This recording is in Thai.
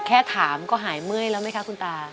แค่ถามก็หายเมื่อยแล้วไหมคะคุณตา